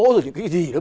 rồi những cái gì đó